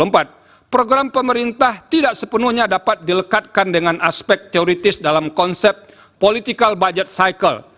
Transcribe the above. program pemerintah tidak sepenuhnya dapat dilekatkan dengan aspek teoritis dalam konsep political budget cycle